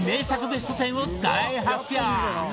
ベスト１０を大発表！